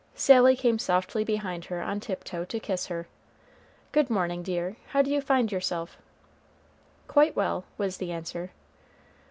Sally came softly behind her on tiptoe to kiss her. "Good morning, dear, how do you find yourself?" "Quite well," was the answer.